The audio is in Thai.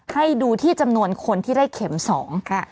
ให้ดูที่จำนวนคนที่ได้เข็มสองค่ะ